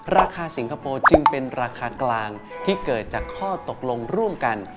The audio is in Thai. สิงคโปร์จึงเป็นราคากลางที่เกิดจากข้อตกลงร่วมกัน